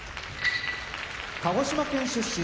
鹿児島県出身